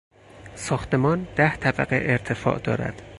ساختمان ده طبقه ارتفاع دارد.